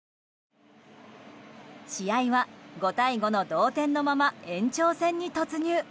試合は５対５の同点のまま延長戦に突入。